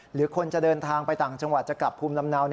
หรือคนจะเดินทางไปต่างจังหวัดจะกลับภูมิลำเนา